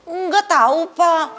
enggak tahu pak